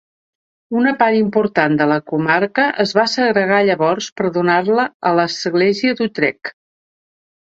Una part important de la comarca es va segregar llavors per donar-la a l'església d'Utrecht.